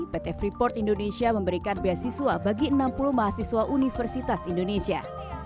pt freeport indonesia memberikan beasiswa bagi enam puluh mahasiswa universitas indonesia